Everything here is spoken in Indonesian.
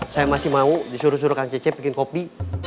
saya masih mau disuruh suruh kang cece bikin kopi